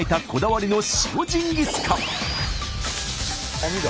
網だ。